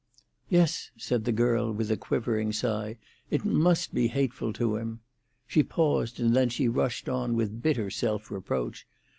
"Yes," said the girl, with a quivering sigh; "it must be hateful to him." She paused, and then she rushed on with bitter self reproach.